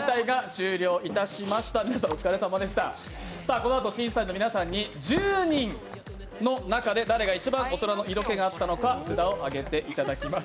このあと審査員の皆さんに１０人の中で誰が一番大人の色気があったのか、札を上げていただきます。